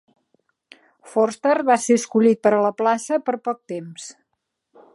Vorster va ser escollit per a la plaça per poc temps.